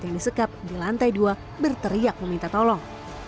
yang disekap di lantai dua berteriak meminta tolong